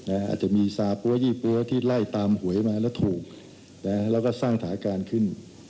อาจจะมีซาปั๊วยี่ปั๊วที่ไล่ตามหวยมาแล้วถูกแล้วก็สร้างถาการขึ้น